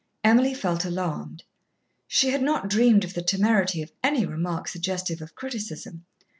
Emily felt alarmed. She had not dreamed of the temerity of any remark suggestive of criticism.